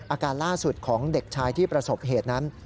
อาการล่าสุดของเด็กชายที่ประสบเหตุนั้น